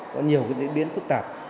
có nhiều cái diễn biến phức tạp